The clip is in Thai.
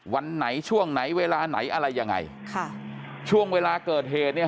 วันไหนช่วงไหนเวลาไหนอะไรยังไงค่ะช่วงเวลาเกิดเหตุเนี่ย